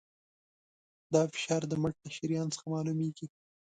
دا فشار د مټ له شریان څخه معلومېږي.